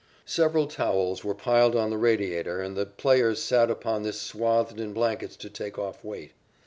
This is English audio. Several towels were piled on the radiator and the players sat upon this swathed in blankets to take off weight.